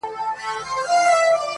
زه چی پلار وم قصابی لره روزلی -